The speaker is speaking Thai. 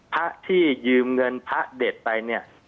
พระที่ยืมเงินพระเด็ดไปเนี่ย